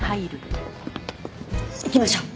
行きましょう。